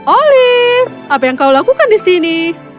olive apa yang kau lakukan di sini